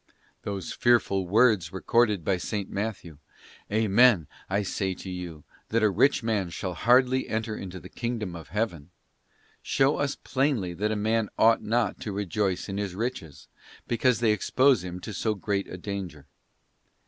Those fearful words recorded by S. Matthew, 'Amen, I say to you, that a rich man shall hardly enter into the kingdom of Heaven,'{ show us plainly that a man ought not to rejoice in his riches, because they expose him to so greata danger.